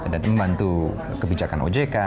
dan membantu kebijakan ojk